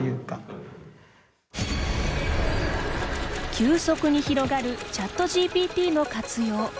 急速に広がるＣｈａｔＧＰＴの活用。